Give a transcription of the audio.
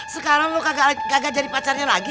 sekarang lu kagak jadi pacarnya lagi